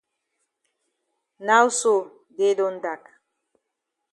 Now so day don dak.